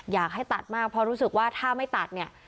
อยากให้ตัดมากเพราะรู้สึกว่าถ้าไม่ตัดเนี่ย